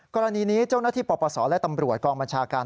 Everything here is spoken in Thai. กรณีนี้เจ้าหน้าที่ปปศและตำรวจกองบัญชาการ